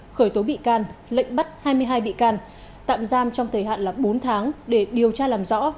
khởi tố bị can lệnh bắt hai mươi hai bị can tạm giam trong thời hạn là bốn tháng để điều tra làm rõ